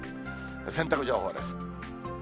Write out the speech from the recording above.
洗濯情報です。